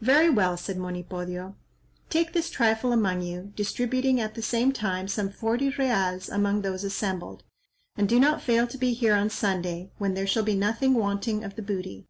"Very well," said Monipodio; "Take this trifle among you," distributing at the same time some forty reals among those assembled, "and do not fail to be here on Sunday, when there shall be nothing wanting of the booty."